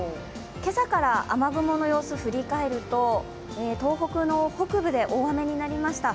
今朝から雨雲の様子振り返ると東北の北部で大雨になりました。